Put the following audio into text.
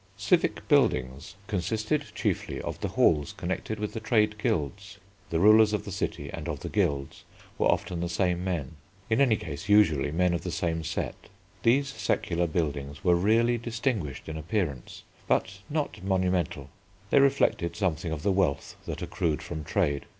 Civic Buildings consisted chiefly of the halls connected with the trade guilds. The rulers of the city and of the guilds were often the same men, in any case usually men of the same set. These secular buildings were really distinguished in appearance, but not monumental. They reflected something of the wealth that accrued from trade.